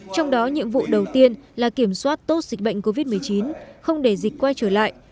trong đó nhiệm vụ đầu tiên là kiểm soát tốt dịch bệnh covid một mươi chín không để dịch quay trở lại